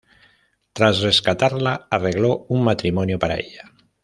Tras rescatarla, arregló un matrimonio para ella.